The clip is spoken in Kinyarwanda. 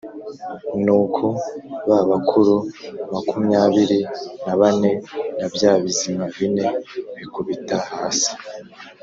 Nuko ba bakuru makumyabiri na bane na bya bizima bine bikubita hasi,